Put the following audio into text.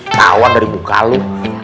tawan dari muka lo